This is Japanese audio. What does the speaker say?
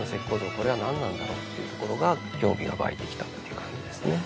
これは何なんだろうっていうところが興味が湧いてきたっていう感じですね。